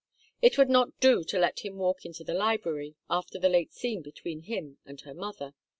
It would not do to let him walk into the library, after the late scene between him and her mother.